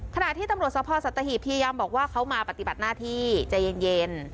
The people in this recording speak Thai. ขณะที่ตำรวจสภสัตหีบพยายามบอกว่าเขามาปฏิบัติหน้าที่ใจเย็น